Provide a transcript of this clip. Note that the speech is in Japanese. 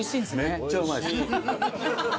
めっちゃうまい。